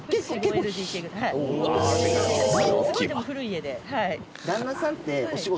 でもすごいでも古い家で。